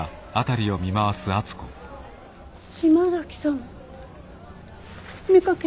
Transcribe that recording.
島崎さん見かけた？